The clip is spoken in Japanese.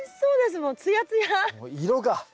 もう色が！